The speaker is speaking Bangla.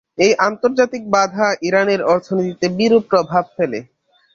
এই আন্তর্জাতিক বাধা ইরানের অর্থনীতিতে বিরূপ প্রভাব ফেলে।